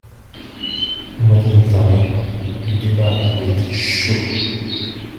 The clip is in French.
Au mois d’avril dernier, les débats avaient été chauds.